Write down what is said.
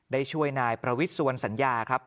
ได้ช่วยนายประวิทย์สุวรรณสัญญาครับ